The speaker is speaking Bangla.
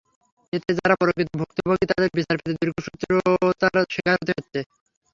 এতে যাঁরা প্রকৃত ভুক্তভোগী তাঁদের বিচার পেতে দীর্ঘসূত্রতার শিকার হতে হচ্ছে।